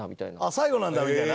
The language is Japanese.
最後なんだみたいな？